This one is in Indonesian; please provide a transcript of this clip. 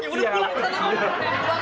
oke yaudah pulang